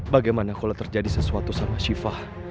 bagaimana kalau terjadi sesuatu sama syifah